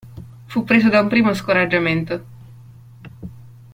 Fu preso da un primo scoraggiamento.